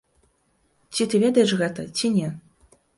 Ці ты ведаеш гэта, ці не?